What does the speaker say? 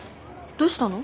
どうしたの？